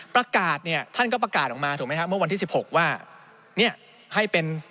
ประกาศเนี่ยท่านก็ประกาศออกมาถูกไหมฮะเมื่อวันที่๑๖ว่าเนี่ยให้เป็น